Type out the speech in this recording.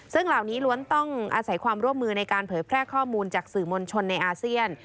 ซึ่งเหล่านี้ล้วนต้องอาศัยความร่วมมือในการเผยแพร่ข้อมูลจากสื่อมวลชนในอาเซียน